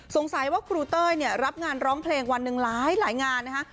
สงสัยว่าครูเต้ยเนี่ยรับงานร้องเพลงวันหนึ่งหลายงานนะคะ